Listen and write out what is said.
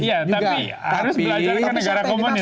iya tapi harus belajar ke negara komunis